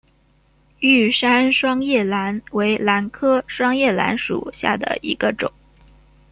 玉山双叶兰为兰科双叶兰属下的一个种。